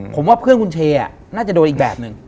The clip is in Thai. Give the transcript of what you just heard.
ผมว่าเพื่อนคุณเชน่าจะโดนอีกแบบหนึ่ง